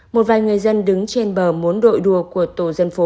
một vài người dân đứng trên bờ muốn đội đua của tổ dân phố